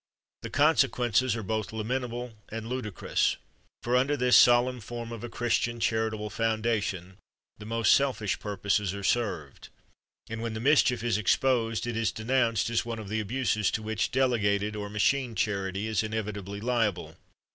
The consequences are both lamentable and ludicrous. For under this solemn form of a Christian charitable foundation the most selfish purposes are served, and when the mischief is exposed it is denounced as one of the abuses to which delegated or "machine" charity is inevitably liable.